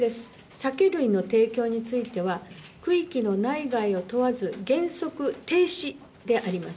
酒類の提供については、区域の内外を問わず、原則停止であります。